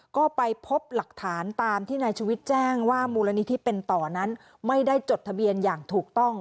ก็ไปพบหลักฐานตามที่นายชวิตแจ้งว่ามูลนิธิเป็นต่อนั้นไม่ได้จดทะเบียนอย่างถูกต้อง